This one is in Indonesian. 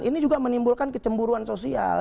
ini juga menimbulkan kecemburuan sosial